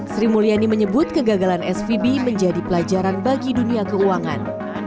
sri mulyani menyebut kegagalan svb menjadi pelajaran bagi dunia keuangan